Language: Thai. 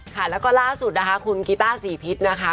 ค่ะแล้วก็ล่าสุดนะคะคุณกีต้าศรีพิษนะคะ